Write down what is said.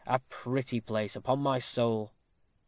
A pretty place, upon my soul."